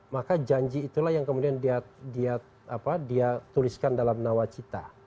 maka janji itulah yang kemudian dia tuliskan dalam nawacita